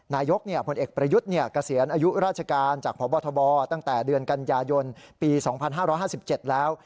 นายกพลเอกประยุทธ์เกษียณอายุราชการจากพบทบตั้งแต่เดือนกันยายนปี๒๕๕๗แล้ว